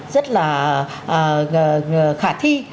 rất là khả thi